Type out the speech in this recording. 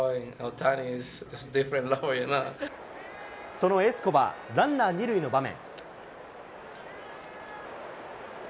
そのエスコバー、ランナー２塁の場面。